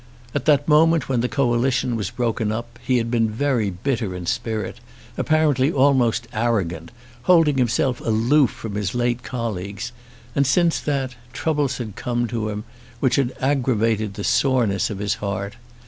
At the moment when the coalition was broken up he had been very bitter in spirit, apparently almost arrogant, holding himself aloof from his late colleagues, and since that, troubles had come to him, which had aggravated the soreness of his heart.